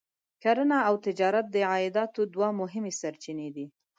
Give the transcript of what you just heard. کرنه او تجارت د عایداتو دوه مهمې سرچینې دي.